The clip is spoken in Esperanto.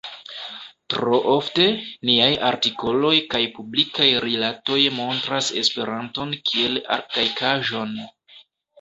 Tro ofte, niaj artikoloj kaj publikaj rilatoj montras Esperanton kiel arkaikaĵon.